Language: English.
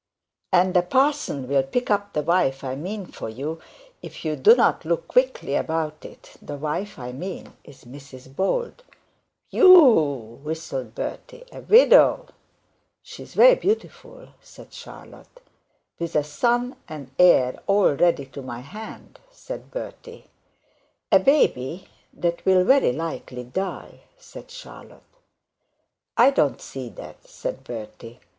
'And a parson will pick up the wife I meant for you, if you do not look quickly about it; the wife I mean is Mrs Bold.' 'Whew w w w!' whistled Bertie, 'a widow!' 'She is very beautiful,' said Charlotte. 'With a son and heir already to my hand,' said Bertie. 'A baby that will very likely die,' said Charlotte. 'I don't see that,' said Bertie.